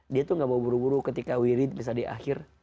dia tuh gak mau buru buru ketika wirid bisa di akhir